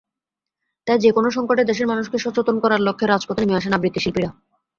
তাই যেকোনো সংকটে দেশের মানুষকে সচেতন করার লক্ষ্যে রাজপথে নেমে আসেন আবৃত্তিশিল্পীরা।